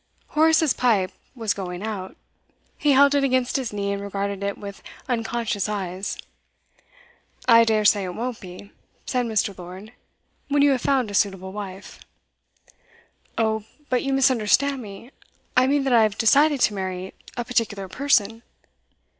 Horace's pipe was going out; he held it against his knee and regarded it with unconscious eyes. 'I dare say it won't be,' said Mr. Lord, 'when you have found a suitable wife.' 'Oh, but you misunderstand me. I mean that I have decided to marry a particular person.